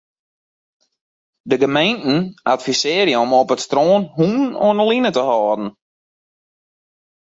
De gemeenten advisearje om op it strân hûnen oan 'e line te hâlden.